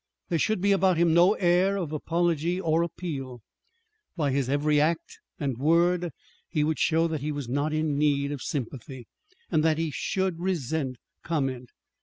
There should be about him no air of apology or appeal. By his every act and word he would show that he was not in need of sympathy, and that he should resent comment.